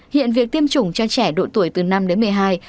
hiện việc tiêm chủng cho trẻ độ tuổi từ năm đến một mươi hai